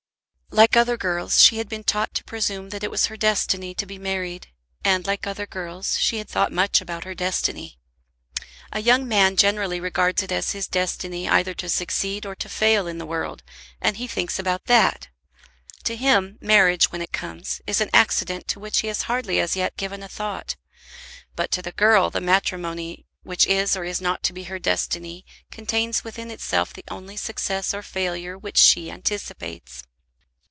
Like other girls she had been taught to presume that it was her destiny to be married, and like other girls she had thought much about her destiny. A young man generally regards it as his destiny either to succeed or to fail in the world, and he thinks about that. To him marriage, when it comes, is an accident to which he has hardly as yet given a thought. But to the girl the matrimony which is or is not to be her destiny contains within itself the only success or failure which she anticipates.